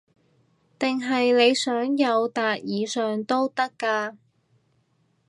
定係你想友達以上都得㗎